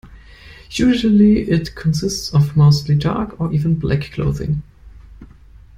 Usually it consists of mostly dark or even black clothing.